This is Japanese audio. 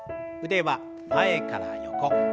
腕は前から横。